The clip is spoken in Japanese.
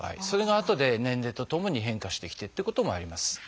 それがあとで年齢とともに変化してきてということもあります。